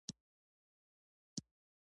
د زغر دانه د غوړ لپاره وکاروئ